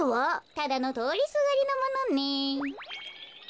ただのとおりすがりのものね。